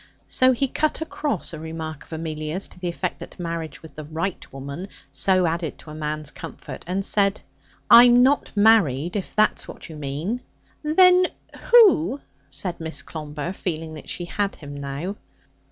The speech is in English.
So he cut across a remark of Amelia's to the effect that marriage with the right woman so added to a man's comfort, and said: 'I'm not married if that's what you mean.' 'Then who ' said Miss Clomber, feeling that she had him now.